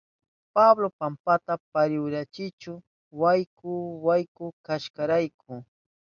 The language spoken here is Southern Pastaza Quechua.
Pablo pampanta parihuyachihun wayku wayku kashkanrayku.